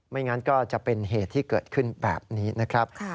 งั้นก็จะเป็นเหตุที่เกิดขึ้นแบบนี้นะครับ